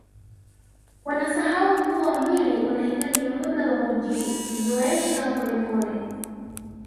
wanasahau kuwa mwili unahitaji muda wa kujizoesha polepole